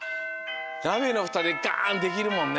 なべのフタでガンできるもんね。